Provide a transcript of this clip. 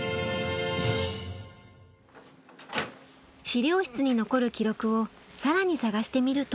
資料室に残る記録を更に探してみると。